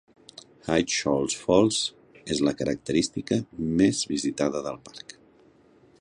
High Shoals Falls és la característica més visitada del parc.